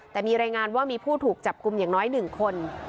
แต่มีรายงานว่ามีผู้ถูกจับกลุ่มอย่างน้อย๑คน